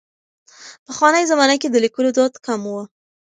پخوانۍ زمانه کې د لیکلو دود کم و.